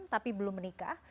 tapi belum menikah